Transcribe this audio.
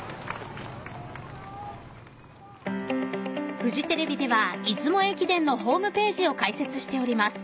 フジテレビでは出雲駅伝のホームページを開設しております。